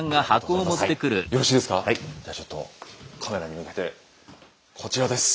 じゃあちょっとカメラに向けてこちらです。